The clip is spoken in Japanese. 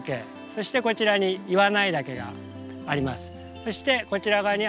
そしてこちら側には雷電山があります。